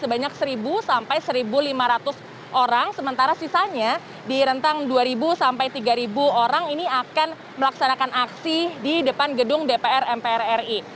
sebanyak satu sampai satu lima ratus orang sementara sisanya di rentang dua sampai tiga orang ini akan melaksanakan aksi di depan gedung dpr mpr ri